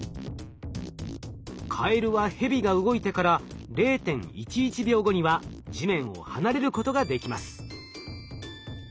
カエルはヘビが動いてから０．１１秒後には地面を離れることができます。